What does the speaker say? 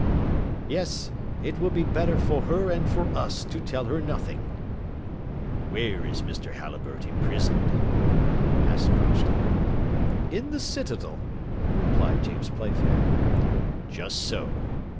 "Yes, it will be better for her and for us to tell her nothing." "Where is Mr. Halliburtt imprisoned?" asked Crockston. "In the citadel," replied James Playfair. "Just so!